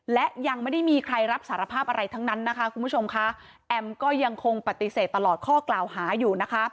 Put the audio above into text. และยังไม่ได้มีใครรับสารภาพอะไรทั้งนั้นนะคะคุณผู้ชมค่ะแอมก็ยังคงปฏิเสธตลอดข้อกล่าวหาอยู่นะคะ